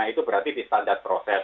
itu berarti di standar proses